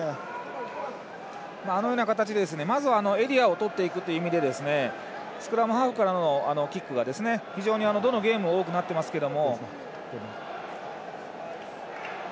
あのような形でエリアをとっていくという意味でスクラムハーフからのキックが、非常にどのゲームも多くなっていますけど。